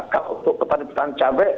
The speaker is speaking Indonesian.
kalau untuk petani petani cabai